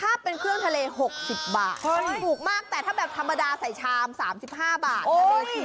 ถ้าเป็นเครื่องทะเล๖๐บาทถูกมากแต่ถ้าแบบธรรมดาใส่ชาม๓๕บาท